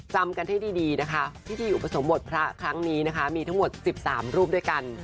จำกันให้ดีนะคะพิธีอุปสมบทพระครั้งนี้นะคะมีทั้งหมด๑๓รูปด้วยกัน